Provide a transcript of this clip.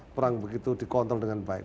perang begitu dikontrol dengan baik